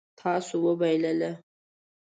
تاسو وبایلله